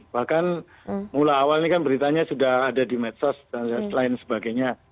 bahkan mula awal ini kan beritanya sudah ada di medsos dan lain sebagainya